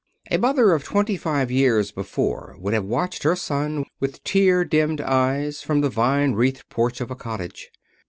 A mother of twenty five years before would have watched her son with tear dimmed eyes from the vine wreathed porch of a cottage.